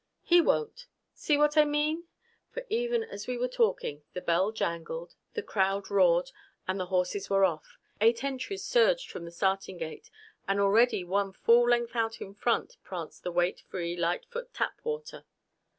"He won't. See what I mean?" For even as we were talking, the bell jangled, the crowd roared, and the horses were off. Eight entries surged from the starting gate. And already one full length out in front pranced the weight free, lightfoot Tapwater!